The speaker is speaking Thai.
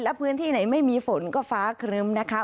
และพื้นที่ไหนไม่มีฝนก็ฟ้าครึ้มนะคะ